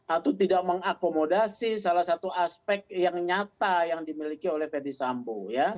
atau tidak mengakomodasi salah satu aspek yang nyata yang dimiliki oleh fede sambo